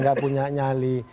gak punya nyali